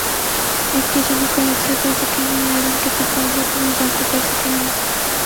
اس کی چمک کو یکساں کر سکہ ہیں یا رنگ کے تفاوت میں اضافہ کر سکہ ہیں